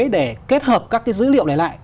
để kết hợp các cái dữ liệu này lại